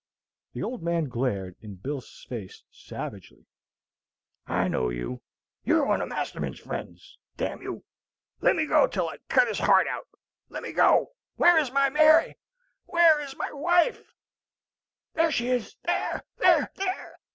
The old man glared in Bill's face savagely. "I know you. You're one of Masterman's friends, d n you, let me go till I cut his heart out, let me go! Where is my Mary? where is my wife? there she is! there! there! there!